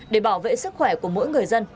để bảo vệ sức khỏe của mỗi người dân